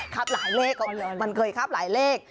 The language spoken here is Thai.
คราบหลายเลขเขาเคยคราบหลายเลข